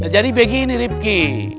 jadi begini ripki